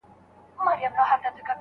زما په نغده نصیب راکه حوري وساته مُلا ته